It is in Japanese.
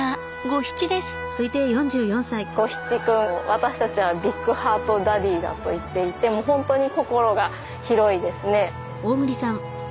ゴヒチ君私たちは「ビッグハートダディ」だと言っていて本当に心が広いですね。